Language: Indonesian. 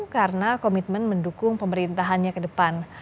karena komitmen mendukung pemerintahannya ke depan